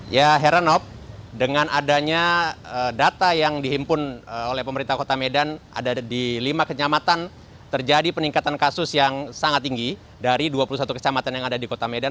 ya heranop dengan adanya data yang dihimpun oleh pemerintah kota medan ada di lima kecamatan terjadi peningkatan kasus yang sangat tinggi dari dua puluh satu kecamatan yang ada di kota medan